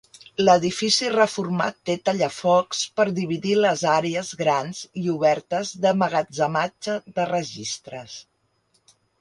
L'edifici reformat té tallafocs per dividir les àrees grans i obertes d'emmagatzematge de registres.